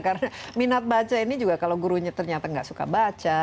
karena minat baca ini juga kalau gurunya ternyata tidak suka baca